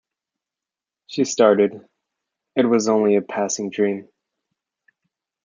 She started — it was only a passing dream.